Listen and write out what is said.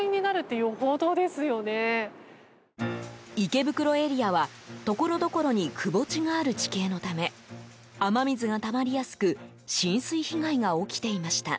池袋エリアは、ところどころにくぼ地がある地形のため雨水がたまりやすく浸水被害が起きていました。